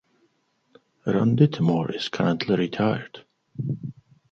Ron Dittemore is currently retired.